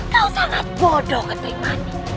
kau sangat bodoh ketik manis